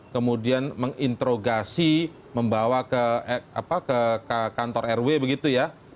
kemudian menginterogasi membawa ke kantor rw begitu ya